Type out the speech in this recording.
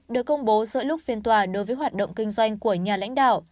được công bố giữa lúc phiên tòa đối với hoạt động kinh doanh của nhà lãnh đạo